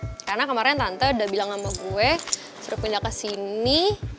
nggak karena kemarin tante udah bilang sama gue suruh pindah kesini